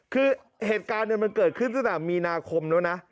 คือเหตุการณ์มันเกิดขึ้นตั้งแต่มีนาคมแล้วนะ